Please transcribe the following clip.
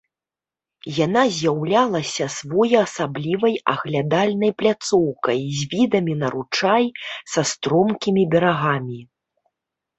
Яна з'яўлялася своеасаблівай аглядальнай пляцоўкай з відамі на ручай са стромкімі берагамі.